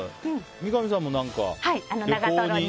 三上さんも何か旅行に。